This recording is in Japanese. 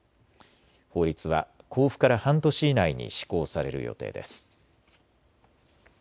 法律は公布から半年以内に施行される予定です。